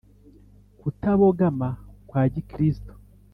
kutabogama kwa gikristo